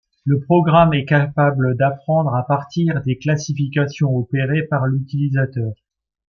Le programme est capable d'apprendre à partir des classifications opérées par l'utilisateur.